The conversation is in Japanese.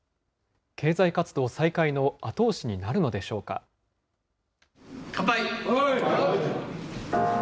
経済活動再開の後押しになるので乾杯。